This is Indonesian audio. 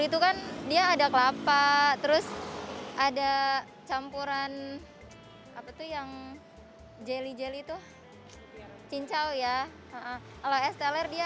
itu kan dia ada kelapa terus ada campuran apa tuh yang jeli jeli itu cincau ya kalau es teler dia